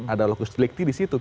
ada lokus delikti di situ